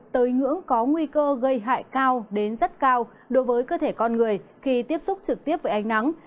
tới ngưỡng có nguy cơ gây hại cao đến rất cao đối với cơ thể con người khi tiếp xúc trực tiếp với ánh nắng